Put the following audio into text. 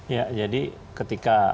ya jadi ketika